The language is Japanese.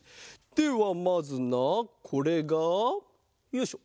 ではまずなこれがよいしょ。